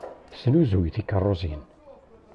Tesnuzuy tikeṛṛusin.